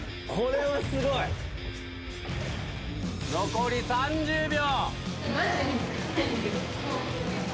残り３０秒。